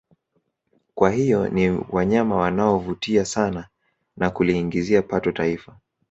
Kwa hiyo ni wanyama wanao vutia sana na kuliingizia pato taifa